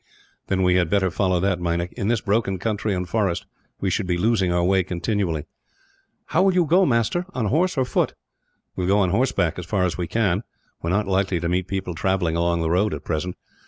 "Then we had better follow that, Meinik. In this broken country, and forest, we should be losing our way continually." "How will you go, master? On horse or foot?" "We will go on horseback, as far as we can; we are not likely to meet people travelling along the road, at present.